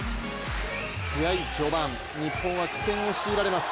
試合序盤、日本は苦戦を強いられます。